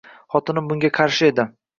Xotinim bunga qarshi edi